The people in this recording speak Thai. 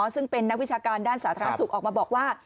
ซึ่งเป็นนักวิชาการด้านสาธารณสุขออกมาบอกว่า